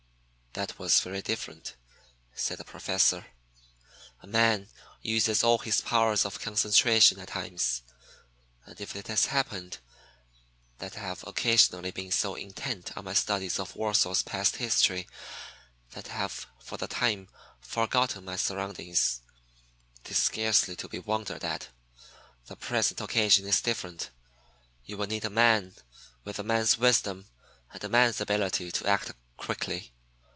"That was very different," said the Professor. "A man uses all his powers of concentration at times, and if it has happened that I have occasionally been so intent on my studies of Warsaw's past history that I have for the time forgotten my surroundings, it is scarcely to be wondered at. The present occasion is different. You will need a man, with a man's wisdom, and a man's ability to act quickly.